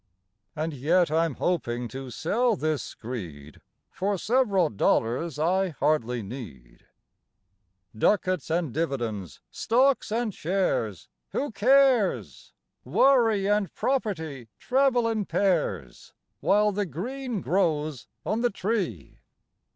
(And yet I'm hoping to sell this screed For several dollars I hardly need.) III. Ducats and dividends, stocks and shares, who cares? Worry and property travel in pairs, While the green grows on the tree.